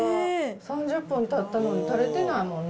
３０分たったのに、垂れてないもんね。